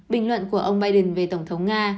bình luận của ông biden về tổng thống nga